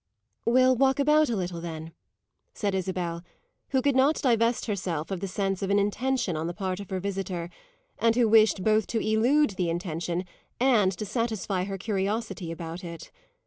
"We'll walk about a little then," said Isabel, who could not divest herself of the sense of an intention on the part of her visitor and who wished both to elude the intention and to satisfy her curiosity about it.